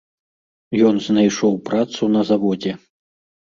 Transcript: Ён знайшоў працу на заводзе.